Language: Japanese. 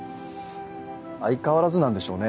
相変わらずなんでしょうね